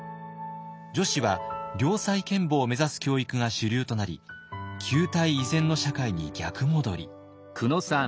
女子は良妻賢母を目指す教育が主流となり旧態依然の社会に逆戻り。